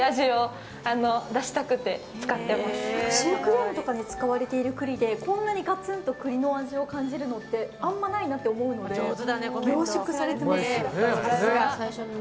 シュークリームで使われている栗でこんなにガツンと栗の味を感じるのってあまりないなと思うので凝縮されてますね。